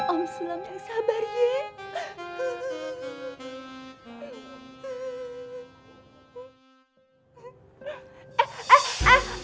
om sulam sabar yih